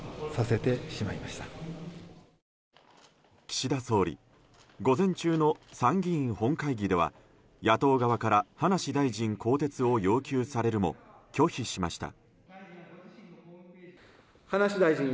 岸田総理午前中の参議院本会議では野党側から葉梨大臣更迭を要求されるも拒否しました。